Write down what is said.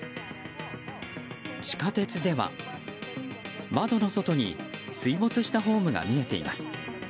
地下鉄では窓の外に水没したホームが見えています。